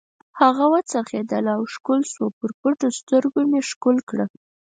هغه و څرخېدله او ښکل شوه، پر پټو سترګو مې ښکل کړه.